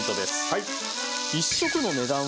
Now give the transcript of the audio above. はい。